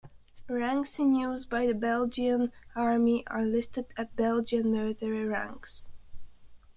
Ranks in use by the Belgian Army are listed at Belgian military ranks.